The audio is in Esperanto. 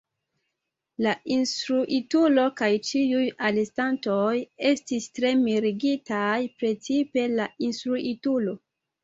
La instruitulo kaj ĉiuj alestantoj estis tre mirigitaj, precipe la instruitulo.